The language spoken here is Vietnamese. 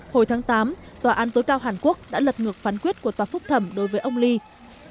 hồi tháng tám tòa án tối cao hàn quốc đã lật ngược phán quyết của tòa phúc thẩm đối với ông lee